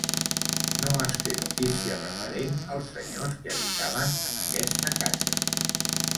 No es té notícia referent als senyors que habitaven en aquesta casa.